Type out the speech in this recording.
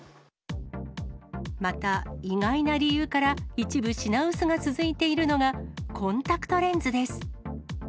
また意外な理由から、一部品薄が続いているのが、コンタクトレンズです。